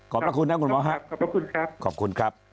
ขอบพระคุณนะคุณหมอครับขอบคุณครับ